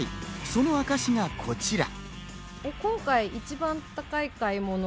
その証しがこちら。